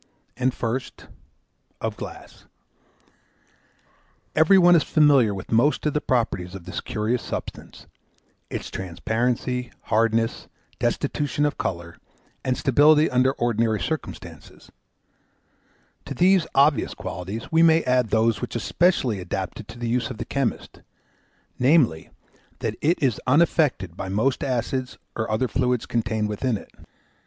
And first, of Glass: every one is familiar with most of the properties of this curious substance; its transparency, hardness, destitution of colour, and stability under ordinary circumstances: to these obvious qualities we may add those which especially adapt it to the use of the chemist, namely, that it is unaffected by most acids or other fluids contained within it.